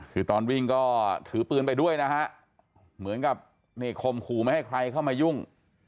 คือตอนวิ่งก็ถือปืนไปด้วยนะฮะเหมือนกับนี่คมขู่ไม่ให้ใครเข้ามายุ่ง